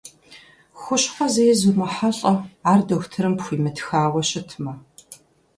Хущхъуэ зэи зумыхьэлӀэ, ар дохутырым пхуимытхауэ щытмэ.